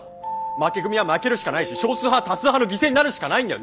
負け組は負けるしかないし少数派は多数派の犠牲になるしかないんだよ！